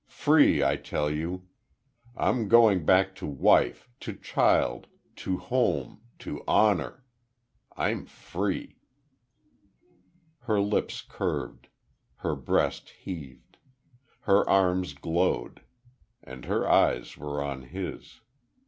Free, I tell you! I'm going back to wife to child to home to honor! I'm free!" Her lips curved. Her breast heaved. Her arms glowed. And her eyes were on his....